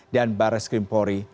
dan barreskrim polri